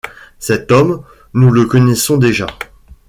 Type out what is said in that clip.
Cet homme, nous le connaissons déjà.